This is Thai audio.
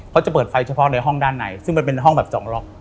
เขาจะเปิดไฟเฉพาะในห้องด้านในซึ่งมันเป็นห้องแบบจองล็อก